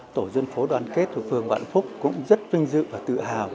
tổ dân phố đoàn kết thuộc phường vạn phúc cũng rất vinh dự và tự hào